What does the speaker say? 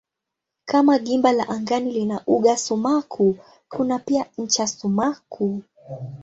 Kama gimba la angani lina uga sumaku kuna pia ncha sumaku.